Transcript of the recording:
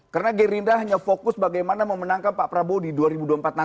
karena gerindra hanya fokus bagaimana memenangkan pak prabowo di dua ribu dua puluh empat nanti